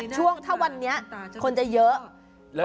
ช่วงถ้าวันนี้คนจะเยอะ